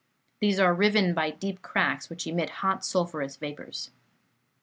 These are riven by deep cracks, which emit hot sulphurous vapors.